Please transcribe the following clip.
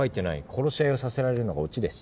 殺し合いをさせられるのがオチです。